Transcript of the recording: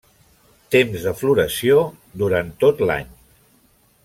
Temps de floració: durant tot l'any.